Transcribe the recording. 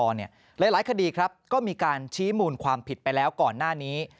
หลายคดีครับก็มีการชี้มูลความผิดไปแล้วก่อนหน้านี้